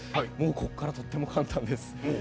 ここから、とても簡単です。